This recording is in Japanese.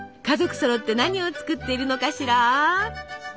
家族そろって何を作っているのかしら？